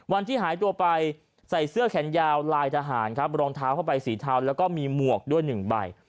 วันที่หายตัวไปใส่เสื้อแขนยาวลายทหารครับรองเท้าเข้าไปสีเทาแล้วก็มีหมวกด้วยหนึ่งใบ